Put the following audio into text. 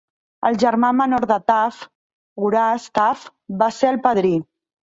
El germà menor de Taft, Horace Taft, va ser el padrí.